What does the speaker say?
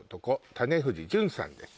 種藤潤さんです